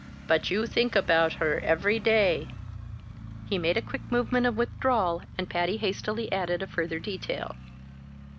"But you think about her every day!" He made a quick movement of withdrawal, and Patty hastily added a further detail.